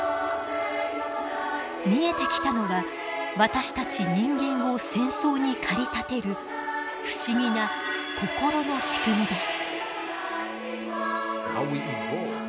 見えてきたのは私たち人間を戦争に駆り立てる不思議な心の仕組みです。